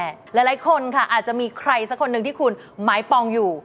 หลายคนค่ะอาจจะมีใครสักคนหนึ่งที่คุณหมายปองอยู่